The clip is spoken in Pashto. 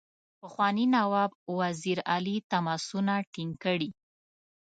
پخواني نواب وزیر علي تماسونه ټینګ کړي.